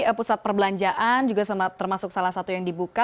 pusat perbelanjaan juga termasuk salah satu yang dibuka